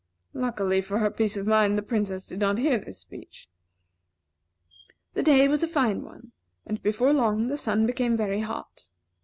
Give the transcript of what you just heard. Luckily for her peace of mind, the Princess did not hear this speech. The day was a fine one, and before long the sun became very hot.